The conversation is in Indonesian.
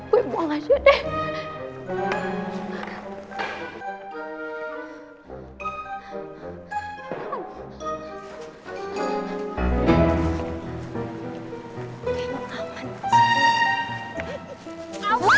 gue buang aja deh